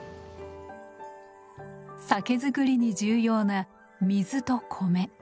酒造りに重要な水と米。